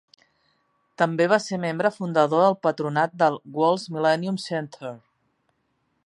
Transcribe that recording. També va ser membre fundador del patronat del Wales Millennium Center.